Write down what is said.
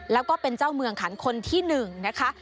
แล้วก็เป็นเจ้าเมืองขันคนที่๑นะคะ